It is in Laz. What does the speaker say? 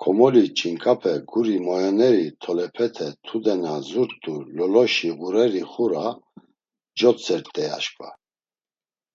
Komoli ç̌inǩape guri moyoneri tolepete tude na zurt̆u Loloşi ğureri xura cotzert̆ey aşǩva.